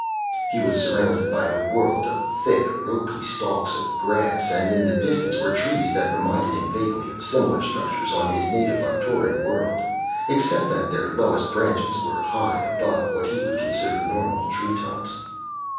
He was surrounded by a world of thick, ropy stalks of grass, and in the distance were trees that reminded him vaguely of similar structures on his native Arcturian world except that their lowest branches were high above what he would consider normal tree tops.